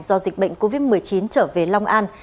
do dịch bệnh covid một mươi chín trở về long an